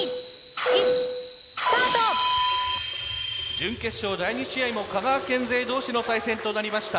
準決勝第２試合も香川県勢同士の対戦となりました。